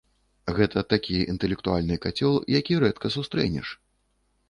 Гэта такі інтэлектуальны кацёл, які рэдка сустрэнеш.